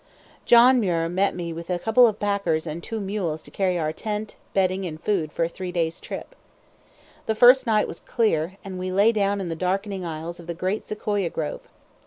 John Muir met me with a couple of packers and two mules to carry our tent, bedding, and food for a three days' trip. The first night was clear, and we lay down in the darkening aisles of the great Sequoia grove.